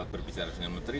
berbicara dengan menteri